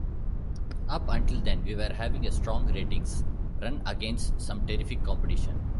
Up until then, we were having a strong ratings run against some terrific competition.